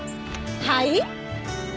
はい？